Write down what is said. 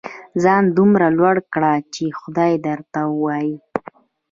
ځان دومره لوړ کړه چې خدای درته ووايي.